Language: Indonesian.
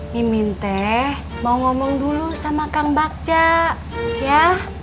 mimin teh mau ngomong dulu sama kang bakca ya